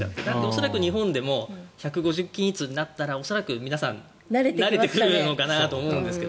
恐らく日本でも１５０円均一になったら恐らく皆さん慣れてくるのかなと思いますが。